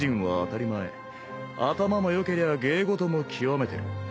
筿燭蠢頭も良けりゃ芸事も極めてる。